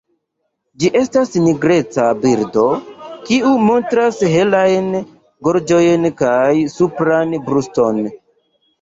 Ĝi estas nigreca birdo, kiu montras helajn gorĝon kaj supran bruston.